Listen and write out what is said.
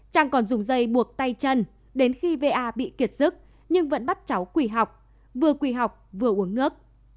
trang còn dùng dây buộc tay chân đến khi va bị kiệt sức nhưng vẫn bắt cháu quỳ học vừa quỳ học vừa uống nước